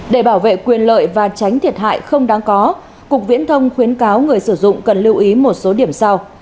để bảo vệ quyền lợi và tránh thiệt hại không đáng có cục viễn thông khuyến cáo người sử dụng cần lưu ý một số điểm sau